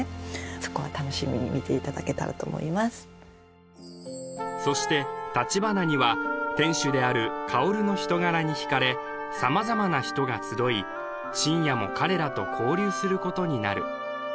そこは楽しみに見ていただけたらと思いますそしてたちばなには店主である香の人柄にひかれ様々な人が集い信也も彼らと交流することになる